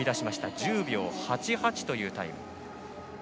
１０秒８８というタイム。